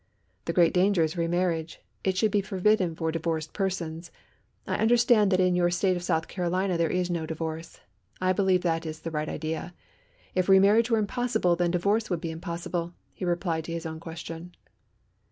"The great danger is re marriage. It should be forbidden for divorced persons. I understand that in your State of South Carolina there is no divorce. I believe that is the right idea. If re marriage were impossible then divorce would be impossible," he replied to his own question.